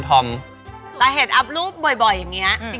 แต่เห็นอัพรูปบ่อยอย่างนี้